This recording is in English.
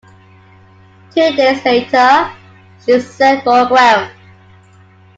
Two days later, she sailed for Guam.